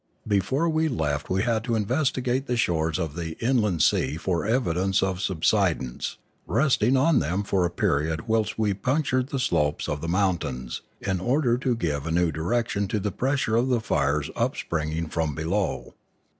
Before we left, we had to investigate the shores of the inland sea for evidence of subsidence, resting on them for a period whilst we punctured the slopes of the mountains, in order to give a new direction to the pressure of the fires upspringing from below.